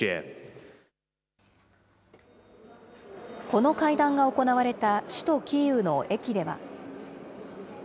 この会談が行われた首都キーウの駅では。